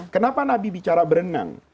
kenapa nabi bicara berenang